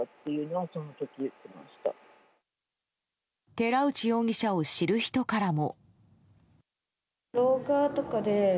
寺内容疑者を知る人からも。